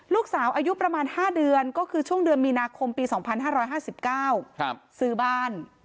ลูกสาวอายุประมาณ๕เดือนก็คือช่วงเดือนมีนาคมปี๒๕๕๙ซื้อบ้าน